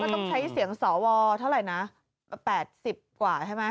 ต้องใช้เสียงสวเท่าไหร่นะ๘๐กว่าใช่ไหม